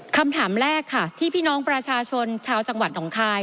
คำถามแรกค่ะที่พี่น้องประชาชนชาวจังหวัดหนองคาย